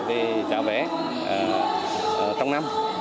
về giá vé trong năm